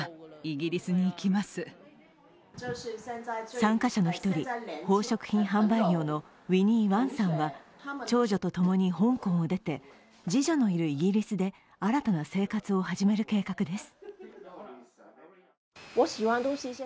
参加者の一人、宝飾品販売業のウィニー・ワンさんは長女と共に香港を出て、次女のいるイギリスで新たな生活を始める計画です。